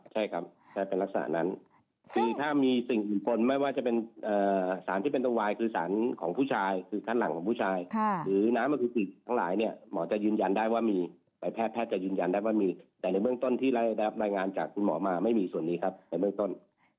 ใช่ครับเป็นลักษณะนั้นคือถ้ามีสิ่งอื่นคนไม่ว่าจะเป็นสารที่เป็นตัววายคือสารของผู้ชายคือขั้นหลังของผู้ชายหรือน้ำอคูจิทั้งหลายเนี่ยหมอจะยืนยันได้ว่ามีแต่แพทย์แพทย์จะยืนยันได้ว่ามีแต่ในเบื้องต้นที่ได้รับรายงานจากคุณหมอมาไม่มีส่วนนี้ครับในเบื้องต้น